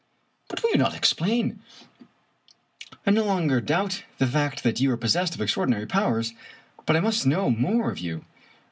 " But will you not explain ? I no longer doubt the fact that you are possessed of extraordinary powers, but I must know more of you.